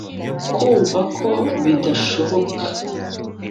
kumva ko bidashoboka